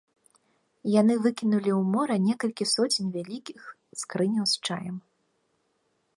Яны выкінулі ў мора некалькі соцень вялікіх скрыняў з чаем.